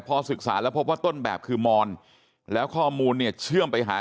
พอศึกษาแล้วพบว่าต้นแบบคือมอนแล้วข้อมูลเนี่ยเชื่อมไปหา